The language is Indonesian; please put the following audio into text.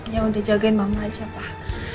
ya udah jagain mama aja pak